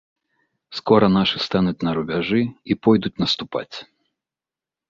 Скора нашы стануць на рубяжы і пойдуць наступаць.